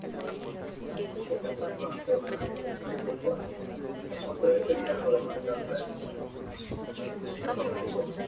Es un sulfuro simple de níquel.